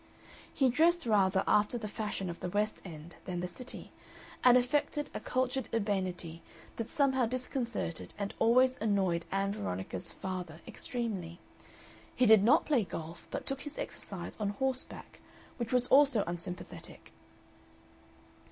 He dressed rather after the fashion of the West End than the City, and affected a cultured urbanity that somehow disconcerted and always annoyed Ann Veronica's father extremely. He did not play golf, but took his exercise on horseback, which was also unsympathetic.